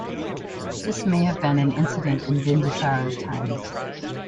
This may have been an incident in Bindusara's times.